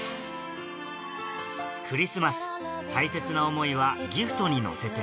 クリスマス大切な思いはギフトに乗せて